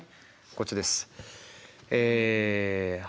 こっちです。